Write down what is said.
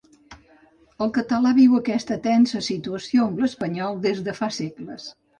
El català viu aquesta tensa situació amb l'espanyol des de fa segles.